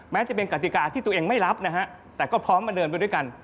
แม้จะเป็นกติกาที่ตัวเองไม่รับนะฮะแต่ก็พร้อมมาเดินไปด้วยกัน